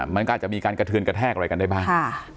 มันก็อาจจะมีการกระเทือนกระแทกอะไรกันได้บ้าง